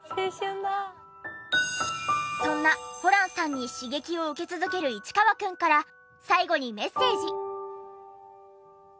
そんなホランさんに刺激を受け続ける市川くんから最後にメッセージ。